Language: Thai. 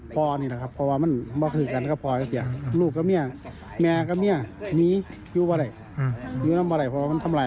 พร้อมผู้ใหญ่เสียบางด้วย